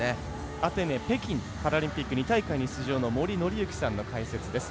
アテネ、北京パラリンピック２大会に出場の森紀之さんの解説です。